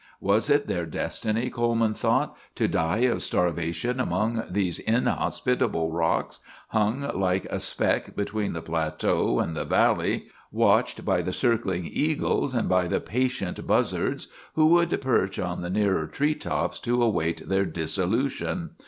Was it their destiny, Coleman thought, to die of starvation among these inhospitable rocks, hung like a speck between the plateau and the valley, watched by the circling eagles and by the patient buzzards, who would perch on the nearer tree tops to await their dissolution?